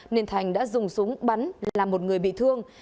nên thành đã dùng súng bắn làm một người bị thương